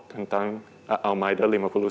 tentang al maida lima puluh satu